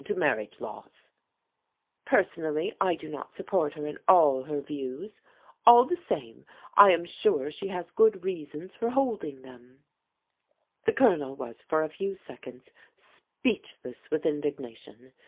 4( 9f 86 PRODIGAL DAUGHTERS " Personally I do not support her in all her views ; all the same I am sure she has good reasons for holding them." The Colonel was for a few seconds speechless with indignation.